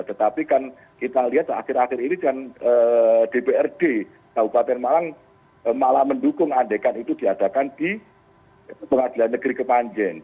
tetapi kan kita lihat akhir akhir ini kan dprd kabupaten malang malah mendukung andekan itu diadakan di pengadilan negeri kepanjen